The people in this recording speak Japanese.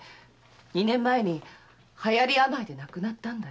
二年前に流行病で亡くなったんだよ。